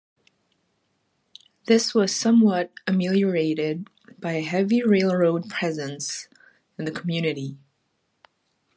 This was somewhat ameliorated by a heavy railroad presence in the community.